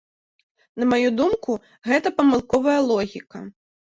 На маю думку, гэта памылковая логіка.